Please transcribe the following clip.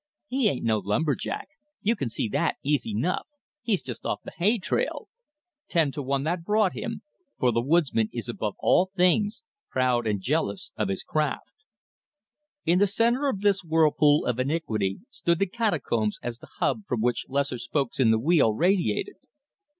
"He ain't no lumber jack! You can see that easy 'nuff! He's jest off th' hay trail!" Ten to one that brought him, for the woodsman is above all things proud and jealous of his craft. In the center of this whirlpool of iniquity stood the Catacombs as the hub from which lesser spokes in the wheel radiated.